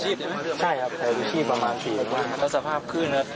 ใช่ครับคือมีชีพประมาณ๔เล็กว่าแล้วสภาพขึ้นครับ